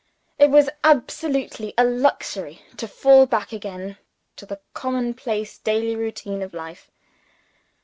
It was absolutely a luxury to fall back again into the common place daily routine of life.